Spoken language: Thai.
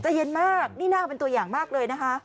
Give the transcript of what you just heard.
ใจเย็นมากนี่น่าเป็นตัวอย่างมากเลยนะคะ